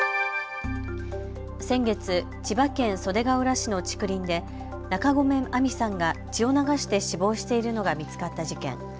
先月、千葉県袖ケ浦市の竹林で中込愛美さんが血を流して死亡しているのが見つかった事件。